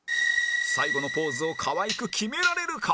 最後のポーズをかわいく決められるか？